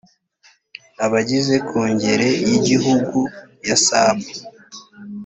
abagize kongere y igihugu ya saab